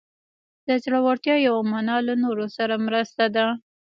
د زړورتیا یوه معنی له نورو سره مرسته ده.